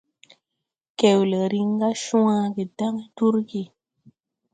Gewle riŋ ga cwage dan durgi.